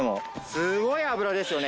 すごい脂ですよね。